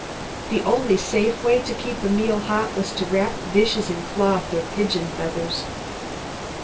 The only safe way to keep a meal hot was to wrap the dishes in cloth or pigeon feathers.